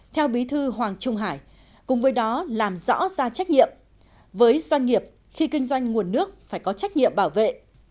theo bí thư hoàng trung hải cùng với đó làm rõ ra trách nhiệm với doanh nghiệp khi kinh doanh nguồn nước phải có trách nhiệm bảo vệ